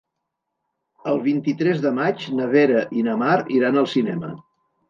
El vint-i-tres de maig na Vera i na Mar iran al cinema.